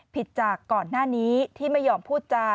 จากก่อนหน้านี้ที่ไม่ยอมพูดจา